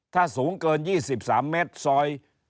ถ้าสูงเกิน๒๓เมตรซอย